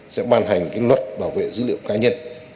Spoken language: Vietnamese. sẽ ban hành cái luật bảo vệ dữ liệu cá nhân